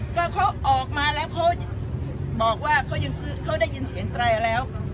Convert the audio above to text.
ก็เขาออกมาแล้วเขาบอกว่าเขายังซื้อเขาได้ยินเสียงตรายแล้ว